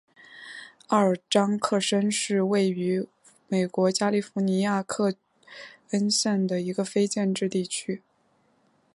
奥尔章克申是位于美国加利福尼亚州克恩县的一个非建制地区。